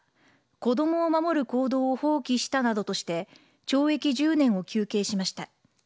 子どもを守る行動を放棄したなどとして、懲役１０年を求刑しました。